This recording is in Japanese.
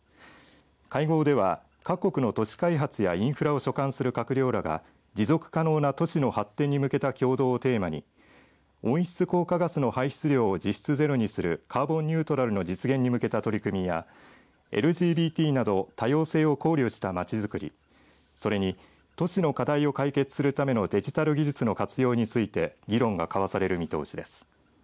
会合では各国の都市開発やインフラを所管する閣僚らが持続可能な都市の発展に向けた協働をテーマに温室効果ガスの排出量を実質ゼロにする取り組みやＬＧＢＴなど多様性を考慮したまちづくりそれに都市の課題を解決するためのデジタル技術の活用について議論が交わされる見通しです。